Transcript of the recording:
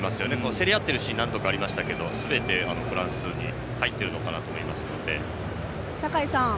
競り合っているシーンが何度かありましたけどすべてフランスに入っているのかなと思いますので。